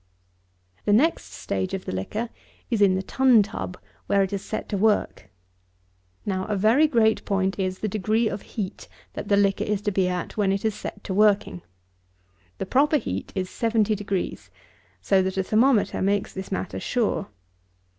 48. The next stage of the liquor is in the tun tub, where it is set to work. Now, a very great point is, the degree of heat that the liquor is to be at when it is set to working. The proper heat is seventy degrees; so that a thermometer makes this matter sure.